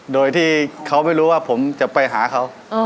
โดยที่เขาไม่รู้ว่าผมจะไปหาเขา